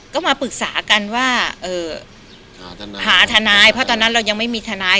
ก็มาปรึกษากันว่าหาทนายเพราะตอนนั้นเรายังไม่มีทนาย